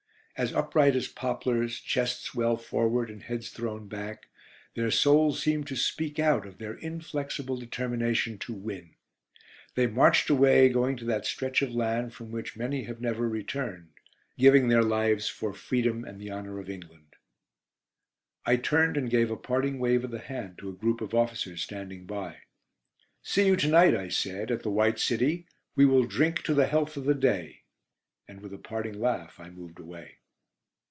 As upright as poplars, chests well forward and heads thrown back, their souls seemed to speak out of their inflexible determination to win. They marched away, going to that stretch of land from which many have never returned giving their lives for freedom and the honour of England. I turned and gave a parting wave of the hand to a group of officers standing by. "See you to night," I said, "at the 'White City.' We will drink to the health of 'The Day,'" and with a parting laugh I moved a way.